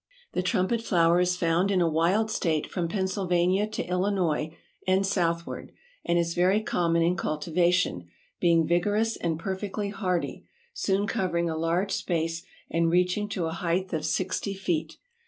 The Trumpet Flower is found in a wild state from Pennsylvania to Illinois, and southward, and is very common in cultivation, being vigorous and perfectly hardy, soon covering a large space and reaching to a height of sixty feet.